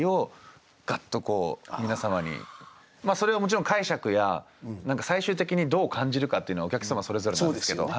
それはもちろん解釈や最終的にどう感じるかっていうのはお客様それぞれなんですけど。